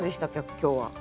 今日は。